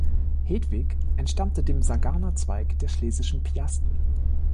Hedwig entstammte dem Saganer Zweig der Schlesischen Piasten.